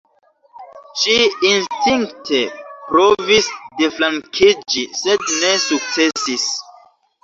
Ŝi instinkte provis deflankiĝi, sed ne sukcesis.